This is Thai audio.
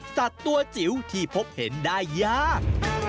สัตว์ตัวจิ๋วที่พบเห็นได้ยาก